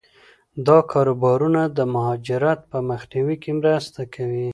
دا کاروبارونه د مهاجرت په مخنیوي کې مرسته کوي.